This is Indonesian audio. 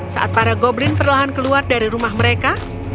saat para goblin perlahan keluar dari rumah mereka